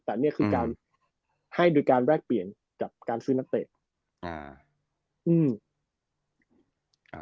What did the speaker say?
แต่นี่คือการให้โดยการแลกเปลี่ยนกับการซื้อนักเตะ